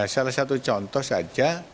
salah satu contoh saja